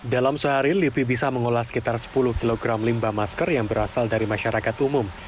dalam sehari lipi bisa mengolah sekitar sepuluh kg limbah masker yang berasal dari masyarakat umum